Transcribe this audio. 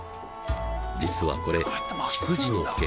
実はこれ羊の毛。